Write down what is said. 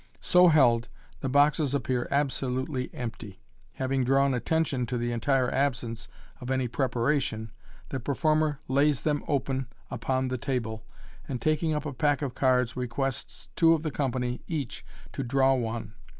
So held, the boxes appear absolutely empty. Having drawn attention to the entire absence of any preparation, the performer lays them open upon the table, and, taking up a pack of cards, requests two of the company each to draw one.